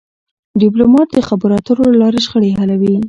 ډيپلومات د خبرو اترو له لارې شخړې حلوي..